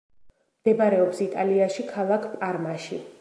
მდებარეობს იტალიაში, ქალაქ პარმაში.